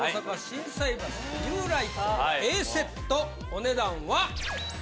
お値段は！